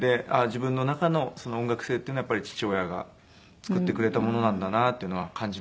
自分の中の音楽性っていうのは父親が作ってくれたものなんだなっていうのは感じますね。